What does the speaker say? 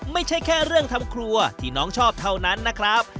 ไม่ใช่แค่เรื่องทำครัวที่น้องชอบเท่านั้นนะครับ